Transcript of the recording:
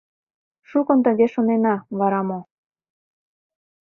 Шукын тыге шонена, вара мо?